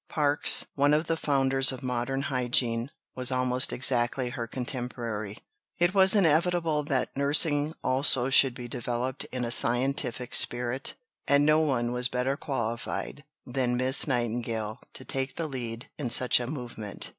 Parkes, one of the founders of modern hygiene, was almost exactly her contemporary. It was inevitable that nursing also should be developed in a scientific spirit, and no one was better qualified than Miss Nightingale to take the lead in such a movement.